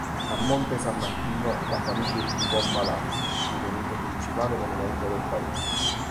A Monte San Martino, la famiglia edificò un palazzo divenuto principale monumento del paese.